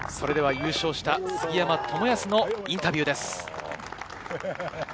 優勝した杉山知靖のインタビューです。